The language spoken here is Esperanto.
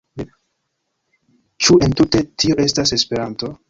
Ĉu entute tio estas Esperanto?